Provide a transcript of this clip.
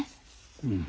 うん。